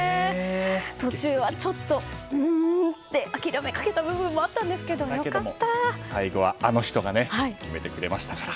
途中はちょっと、うーんって諦めかけた部分も最後はあの人がね決めてくれましたから。